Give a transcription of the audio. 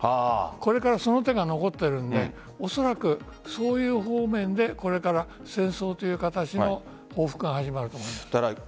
これが、その手が残っているからおそらくそういう方面でこれから戦争という形の報復が始まると思う。